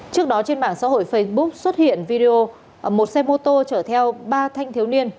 trước đó trên mạng xã hội facebook xuất hiện video một xe mô tô chở theo ba thanh thiếu niên